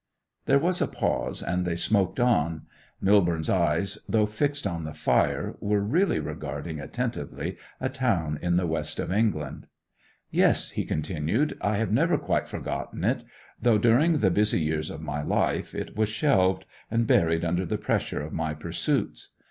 There was a pause, and they smoked on. Millborne's eyes, though fixed on the fire, were really regarding attentively a town in the West of England. 'Yes,' he continued, 'I have never quite forgotten it, though during the busy years of my life it was shelved and buried under the pressure of my pursuits.